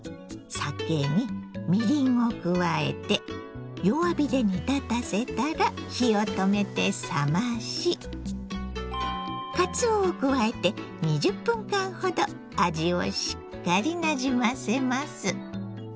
酒にみりんを加えて弱火で煮立たせたら火を止めて冷ましかつおを加えて２０分間ほど味をしっかりなじませます。